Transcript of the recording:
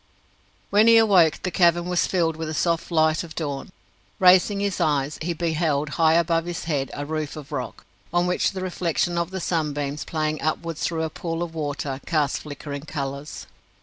When he awoke the cavern was filled with the soft light of dawn. Raising his eyes, he beheld, high above his head, a roof of rock, on which the reflection of the sunbeams, playing upwards through a pool of water, cast flickering colours.